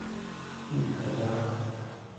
int a gar.